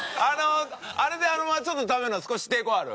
あれであのままちょっと食べるのは少し抵抗ある？